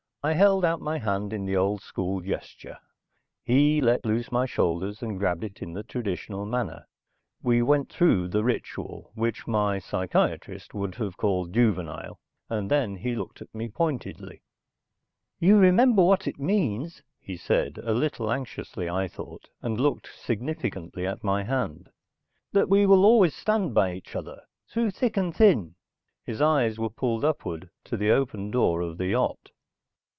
I held out my hand in the old school gesture. He let loose my shoulders and grabbed it in the traditional manner. We went through the ritual, which my psychiatrist would have called juvenile, and then he looked at me pointedly. "You remember what it means," he said, a little anxiously I thought, and looked significantly at my hand. "That we will always stand by each other, through thick and thin." His eyes were pulled upward to the open door of the yacht.